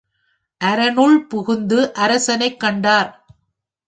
அரணுள் புகுந்து அரசனைக் கண்டார்.